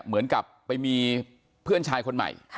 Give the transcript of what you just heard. เหมือนกับไปมีเพื่อนชายคนใหม่